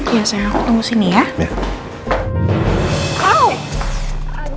ya sayang aku tunggu di sini ya